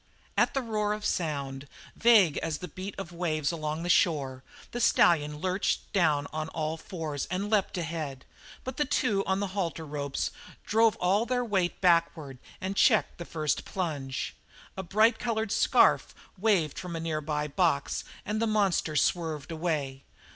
At that roar of sound, vague as the beat of waves along the shore, the stallion lurched down on all fours and leaped ahead, but the two on the halter ropes drove all their weight backward and checked the first plunge. A bright coloured scarf waved from a nearby box, and the monster swerved away.